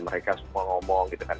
mereka semua ngomong gitu kan